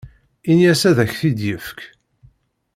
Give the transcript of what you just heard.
Ini-as ad ak-t-id-yefk.